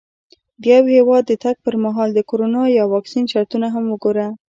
د یو هېواد د تګ پر مهال د کرونا یا واکسین شرطونه هم وګوره.